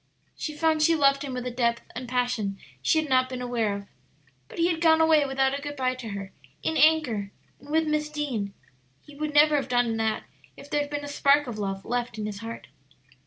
She found she loved him with a depth and passion she had not been aware of. But he had gone away without a good by to her, in anger, and with Miss Deane. He would never have done that if there had been a spark of love left in his heart.